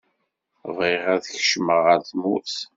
Bɣiɣ ad kecmaɣ ɣer tmurt.